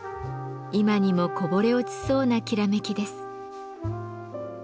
今にもこぼれ落ちそうなきらめきです。